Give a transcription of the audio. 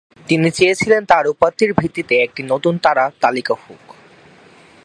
তিনি চেয়েছিলেন তার উপাত্তের ভিত্তিতে একটি নতুন তারা তালিকা হোক।